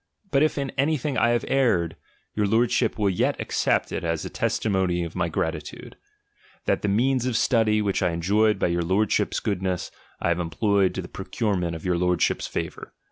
But if in any thing I have erred, your Lordship will yet accept it as a testimony of my gratitude ; that the means of study, which I enjoyed by your Lordship's good ness, I have employed to the procurement of your Lordship's favour.